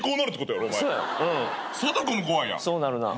そうなるな。